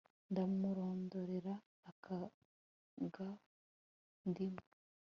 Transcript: ndamurondorera akaga ndimo